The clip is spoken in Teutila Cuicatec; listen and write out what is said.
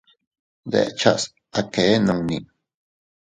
Ndechas a kee nunni.